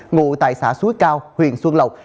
ngụ tại xã xuối cao huyện xuân lộc